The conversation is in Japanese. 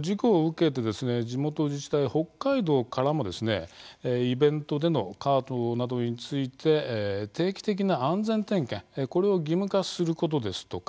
事故を受けて地元自治体、北海道からもイベントでのカートなどについて定期的な安全点検これを義務化することですとか